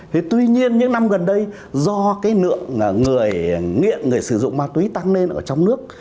thế tuy nhiên những năm gần đây do cái lượng người nghiện người sử dụng ma túy tăng lên ở trong nước